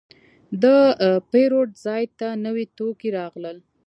د پیرود ځای ته نوي توکي راغلل.